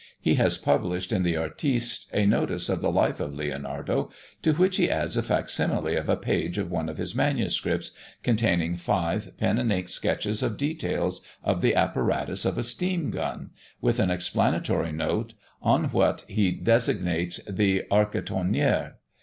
He has published in the Artiste, a notice of the life of Leonardo, to which he adds a fac simile of a page of one of his manuscripts, containing five pen and ink sketches of details of the apparatus of a Steam Gun, with an explanatory note on what he designates the "Architonnere."